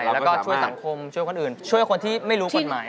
แล้วก็ช่วยสังคมช่วยคนอื่นช่วยคนที่ไม่รู้กฎหมาย